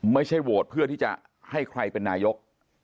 ไม่ใช่โหวตเพื่อที่จะให้ใครเป็นนายก